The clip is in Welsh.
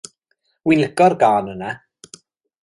Wi'n lico'r gân yna.